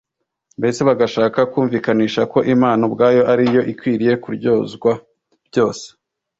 mbese bagashaka kumvikanisha ko imana ubwayo ari yo ikwiriye kuryozwa byose